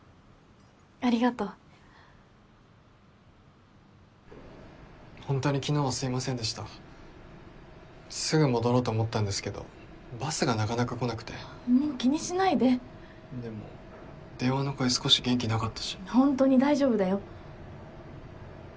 ありがとうホントに昨日はすいませんでしたすぐ戻ろうと思ったんですけどバスがなかなか来なくてもう気にしないででも電話の声少し元気なかったしホントに大丈夫だよ